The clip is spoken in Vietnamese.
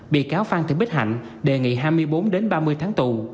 bị cáo phan thị bích hạnh đề nghị hai mươi bốn đến ba mươi tháng tù